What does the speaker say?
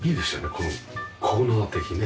このコーナー的にね。